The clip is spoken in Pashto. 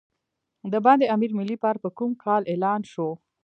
د بند امیر ملي پارک په کوم کال اعلان شو؟